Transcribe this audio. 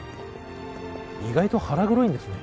意外と腹黒いんですね